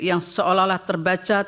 yang seolah olah terbaca